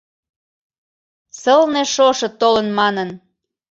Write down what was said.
СЫЛНЕ ШОШО ТОЛЫН МАНЫН